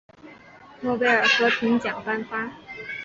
诺贝尔和平奖颁发。